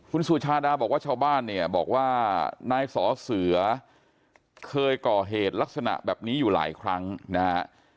คุณสุชาดาบอกว่าชาวบ้านเนี่ยบอกว่านายสอเสือเคยก่อเหตุลักษณะแบบนี้อยู่หลายครั้งนะฮะ